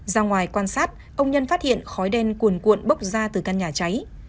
ra ngoài quan sát ông nhân phát hiện khói đen cuồn cuộn bốc ra từ căn nhà cháy